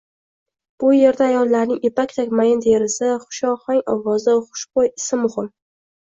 Bu erda ayollarning ipakday mayin terisi, hushohang ovozi, hushbo`y isi muhim